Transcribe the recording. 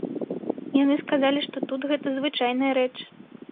Яны сказалі, што тут гэта звычайная рэч.